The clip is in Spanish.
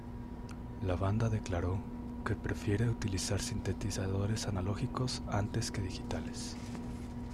La banda declaró que prefieren utilizar sintetizadores analógicos antes que digitales.